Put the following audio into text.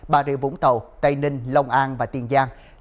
bà rịa vũng tàu tây ninh long an và tiền giang